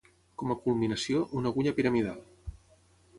Com a culminació, una agulla piramidal.